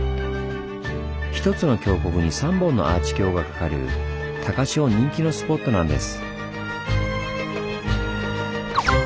ひとつの峡谷に３本のアーチ橋がかかる高千穂人気のスポットなんです。